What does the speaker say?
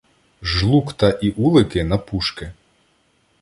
Жлукта і улики на пушки